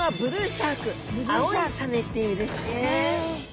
「青いサメ」って意味ですね。